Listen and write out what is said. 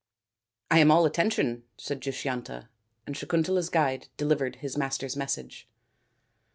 " I am all attention," said Dushyanta, and Sakun tala's guide delivered his master's message.